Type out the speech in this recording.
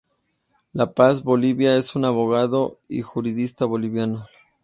La Paz, Bolivia, es un abogado y jurista boliviano.